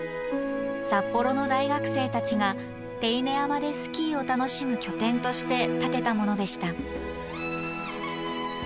札幌の大学生たちが手稲山でスキーを楽しむ拠点として建てたものでした。